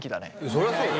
そりゃそうだよ。